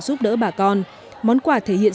giúp đỡ bà con món quà thể hiện